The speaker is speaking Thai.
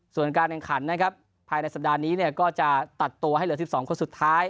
ส่วนการแข่งขันนะครับภายในสัปดาห์นี้เนี่ยก็จะตัดตัวให้เหลือ๑๒คนสุดท้าย